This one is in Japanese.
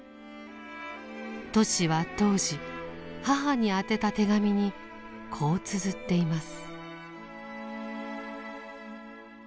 トシは当時母に宛てた手紙にこうつづっています。